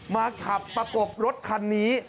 มาขับประกบรถคันนี้